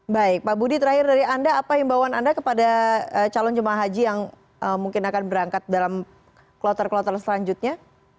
baik pak budi terakhir dari anda apa himbauan anda kepada calon jemaah haji yang mungkin akan berangkat dalam kloter kloter selanjutnya